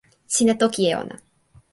sina toki e ona.